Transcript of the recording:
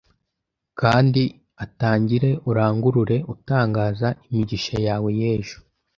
•kandi atangire urangurure utangaza imigisha yawe y’ ejo.